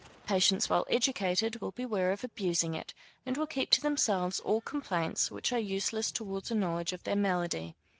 Patients well educated will beware of abusing it, and will keep to themselves all complaints which are useless towards a knowledge of their malady.